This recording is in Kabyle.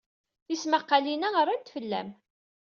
Tismaqqalin-a rnant fell-am.